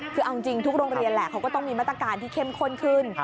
คือเอาจริงทุกโรงเรียนแหละเขาก็ต้องมีมาตรการที่เข้มข้นขึ้น